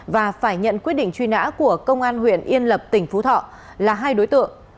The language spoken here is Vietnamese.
và phải nhận quyết định truy nã của công an huyện yên lập tỉnh phú thọ là hai đối tượng